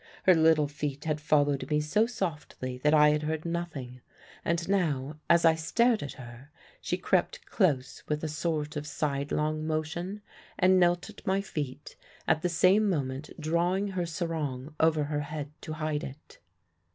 Her little feet had followed me so softly that I had heard nothing; and now, as I stared at her, she crept close with a sort of sidelong motion, and knelt at my feet, at the same moment drawing her sarong over her head to hide it.